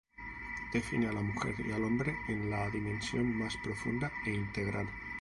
Define a la mujer y al hombre en la dimensión más profunda e integral.